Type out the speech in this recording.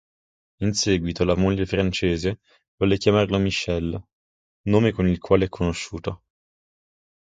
In seguito, la moglie francese, volle chiamarlo Michel, nome con il quale è conosciuto.